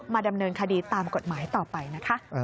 ดำเนินคดีตามกฎหมายต่อไปนะคะ